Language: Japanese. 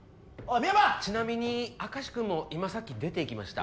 ちなみに明石君も今さっき出ていきました